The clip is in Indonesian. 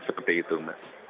seperti itu mas